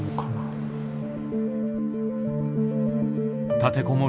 立てこもる